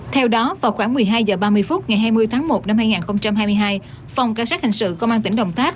theo đó vào khoảng một mươi hai h ba mươi phút ngày hai mươi tháng một năm hai nghìn hai mươi hai phòng cảnh sát hình sự công an tỉnh đồng tháp